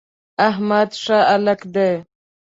احمد ښه هلک دی.